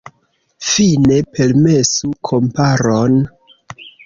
Fine, permesu komparon.